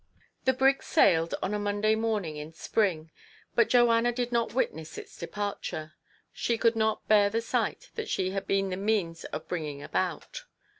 THE brig sailed on a Monday morning in spring ; but Joanna did not witness its de parture. She could not bear the sight that she had been the means of bringing about.